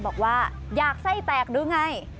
บอกว่าอยากไส้แตกหรือไง